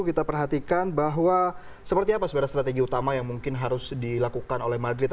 kita perhatikan bahwa seperti apa sebenarnya strategi utama yang mungkin harus dilakukan oleh madrid